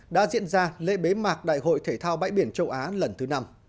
đã diễn ra lễ bế mạc đại hội thể thao bãi biển châu á lần thứ năm